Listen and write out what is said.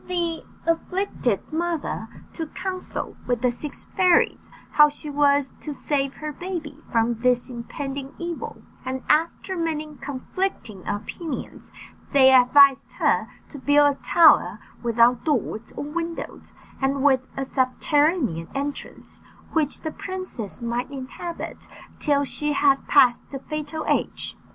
The afflicted mother took council with the six fairies how she was to save her baby from this impending evil, and after many conflicting opinions they advised her to build a tower without doors or windows, and with a subterranean entrance, which the princess might inhabit till she had passed the fatal age.